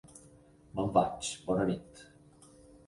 Me'n vaig, bona nit!